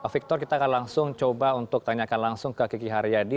victor kita akan langsung coba untuk tanyakan langsung ke kiki haryadi